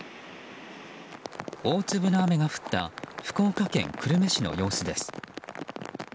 大粒の雨が降った福岡県久留米市の様子です。